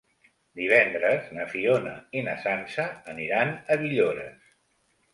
Divendres na Fiona i na Sança aniran a Villores.